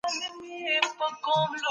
وردګ د مڼو وطن دی.